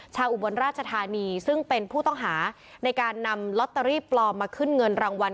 อุบลราชธานีซึ่งเป็นผู้ต้องหาในการนำลอตเตอรี่ปลอมมาขึ้นเงินรางวัล